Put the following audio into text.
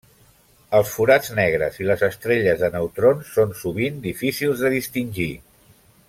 Els forats negres i les estrelles de neutrons són sovint difícils de distingir.